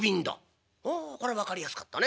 「ああこれ分かりやすかったね。